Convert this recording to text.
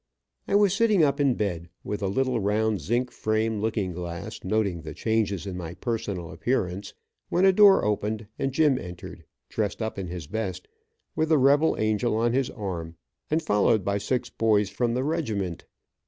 I was sitting up in bed, with a little round zinc frame looking glass, noting the changes in my personal appearance, when a door opened and Jim entered, dressed up in his best, with the rebel angel on his arm, and followed by six boys from the regiment.